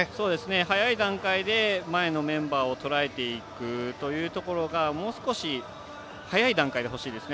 早い段階で前のメンバーを捉えていくというところがもう少し早い段階で欲しいですね。